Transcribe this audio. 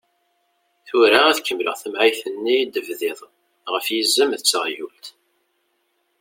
Tura ad kemmleɣ tamɛayt-nni i d-tebdiḍ ɣef yizem d teɣyult.